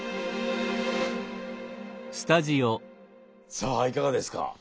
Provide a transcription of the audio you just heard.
さあいかがですか？